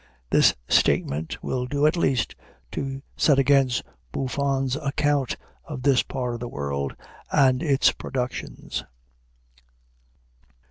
This statement will do at least to set against Buffon's account of this part of the world and its productions.